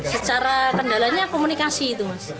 secara kendalanya komunikasi itu mas